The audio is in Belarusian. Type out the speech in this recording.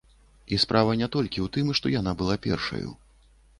І справа не толькі ў тым, што яна была першаю.